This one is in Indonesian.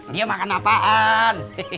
dia makan apaan